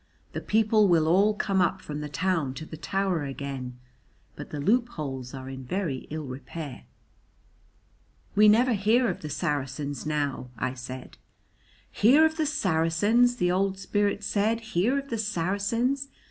The people will all come up from the town to the tower again; but the loopholes are in very ill repair." "We never hear of the Saracens now," I said. "Hear of the Saracens!" the old spirit said. "Hear of the Saracens!